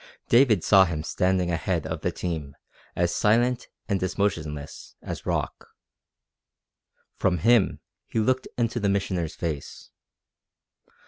David saw him standing ahead of the team as silent and as motionless as rock. From him he looked into the Missioner's face.